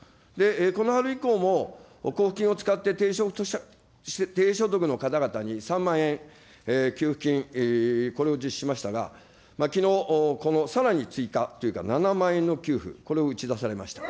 この春以降も、交付金を使って低所得の方々に３万円給付金、これを実施しましたが、きのう、このさらに追加というか、７万円の給付、これを打ちだされました。